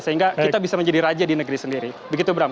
sehingga kita bisa menjadi raja di negeri sendiri begitu bram